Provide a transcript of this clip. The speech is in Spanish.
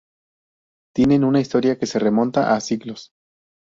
Tienen una historia que se remonta a siglos.